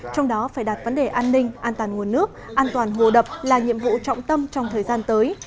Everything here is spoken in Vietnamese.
trong đó phải đặt vấn đề an ninh an toàn nguồn nước an toàn hồ đập là nhiệm vụ trọng tâm trong thời gian tới